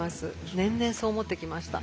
年々そう思ってきました。